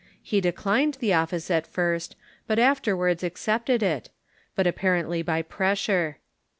He declined the office at first, but afterwards accepted it, but apparently by pressure.